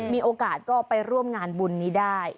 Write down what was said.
มีโอกาสก็ไปร่วมงานบุญนี้ได้